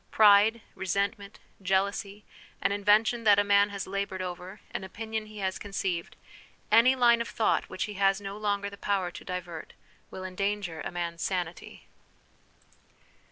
Pride, resentment, jealousy, an invention that a man has laboured over, an opinion he has conceived, any line of thought which he has no longer the power to divert, will endanger a man's sanity.